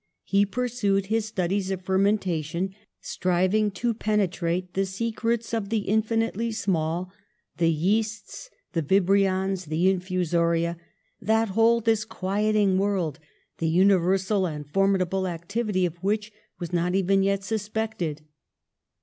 He pursued his studies of fermentation, striving to penetrate the secrets of the infinitely small, the yeasts, the vibrions, the infusoria, that whole disquiet ing world, the universal and formidable activity of which was not even yet suspected.